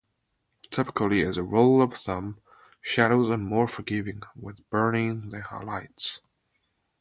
Typically, as a rule of thumb, shadows are more "forgiving" with burning than highlights.